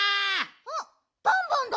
あっバンバンだ。